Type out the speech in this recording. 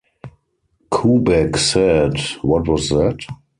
Kubeck said, What was that?